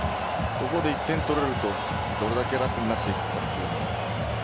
ここで１点取れるとどれだけ楽になっていくか。